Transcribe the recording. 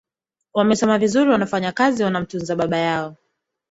wamesoma vizuri wanafanya kazi wanamtunza baba yao